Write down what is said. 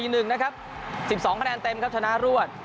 ๑นะครับ๑๒คะแนนเต็มครับชนะรวด